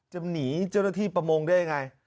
จะหนีเจ้าหน้าที่ประมงได้ยังไง